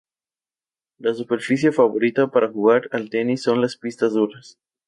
La superficie favorita para jugar al tenis son las pistas duras.